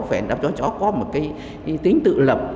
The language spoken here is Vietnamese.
phải đáp cho cháu có một cái tính tự lập